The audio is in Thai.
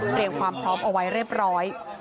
ความพร้อมเอาไว้เรียบร้อย